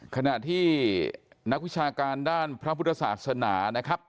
ขณะที่นักวิชาการด้านพระพุทธศาสนานะครับ